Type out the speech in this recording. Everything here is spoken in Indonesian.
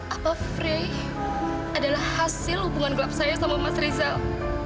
apa free adalah hasil hubungan klub saya sama mas rizal